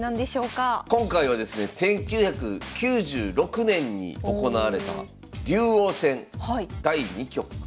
今回はですね１９９６年に行われた竜王戦第２局。